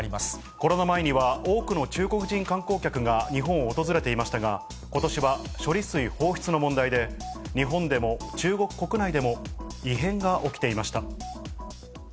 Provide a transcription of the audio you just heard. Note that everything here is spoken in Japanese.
コロナ前には多くの中国人観光客が日本を訪れていましたが、ことしは処理水放出の問題で、日本でも中国国内でも異変が起きていました。